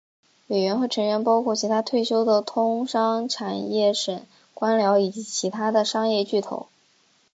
委员会成员包括其它退休的通商产业省官僚以及其它的商业巨头。